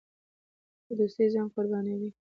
په دوستۍ ځان قربانوي.